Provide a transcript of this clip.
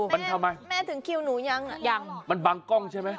มันทำไมมันบังกล้องใช่ไหมมันบังกล้องใช่ไหม